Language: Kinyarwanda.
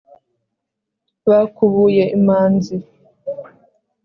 Bakubuye imanzi